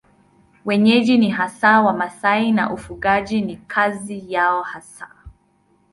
Wenyeji ni hasa Wamasai na ufugaji ni kazi yao hasa.